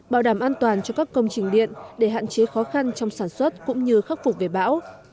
bảo đảm an toàn cho các công trình điện để hạn chế khó khăn trong sản xuất cũng như khắc phục về bão